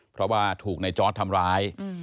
เพราะว่าถูกในจอร์ดทำร้าย